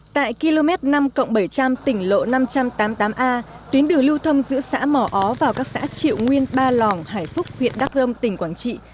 tại km năm bảy trăm linh tỉnh lộ năm trăm tám mươi tám a tuyến đường lưu thông giữa xã mỏ ó và các xã triệu nguyên ba lòng hải phúc huyện đắk rông tỉnh quảng trị